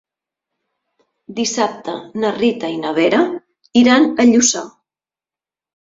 Dissabte na Rita i na Vera iran a Lluçà.